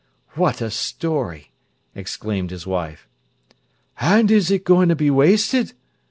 "What a story!" exclaimed his wife. "An' is it goin' to be wasted?"